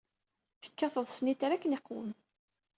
Tekkateḍ ssnitra akken iqwem.